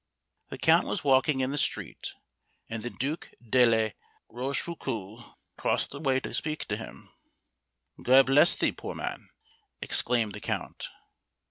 The count was walking in the street, and the Duke de la Rochefoucault crossed the way to speak to him. "God bless thee, poor man!" exclaimed the count.